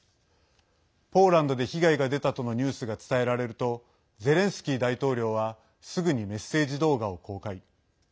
ポーランドで被害が出たとのニュースが伝えられるとゼレンスキー大統領はすぐにメッセージ動画を公開。